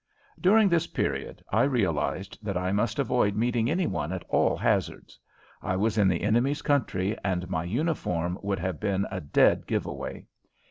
During this period I realized that I must avoid meeting any one at all hazards. I was in the enemy's country and my uniform would have been a dead give away.